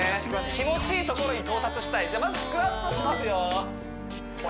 気持ちいいところに到達したいじゃあまずスクワットしますよ